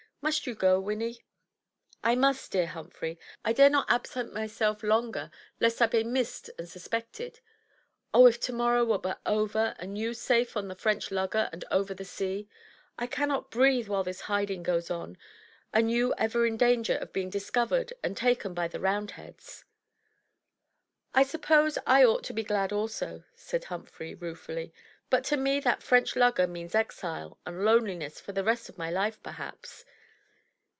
"Must you go, Winnie?" "I must, dear Humphrey. I dare not absent myself longer lest I be missed and suspected. Oh, if tomorrow were but over, and you safe on the French lugger and over the sea! I cannot breathe while this hiding goes on, and you ever in danger of being discovered and taken by the Roundheads." "I suppose I ought to be glad also," said Humphrey, rue fully, "but to me that French lugger means exile, and loneliness for the rest of my Ufe, perhaps.